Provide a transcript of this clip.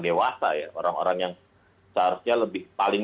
dewasa ya orang orang yang seharusnya lebih paling